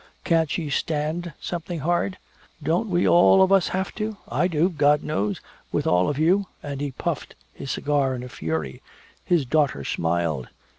Can't she stand something hard? Don't we all of us have to? I do God knows with all of you!" And he puffed his cigar in a fury. His daughter smiled.